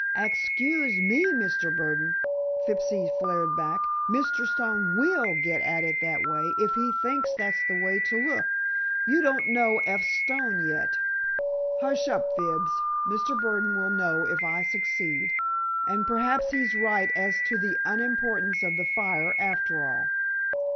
"Ex cuse me, Mr. Burdon," Fibsy flared back, "Mr. Stone will get at it that way, if he thinks that's the way to look. You don't know F. Stone yet——" "Hush up, Fibs; Mr. Burdon will know if I succeed, and, perhaps he's right as to the unimportance of the fire, after all."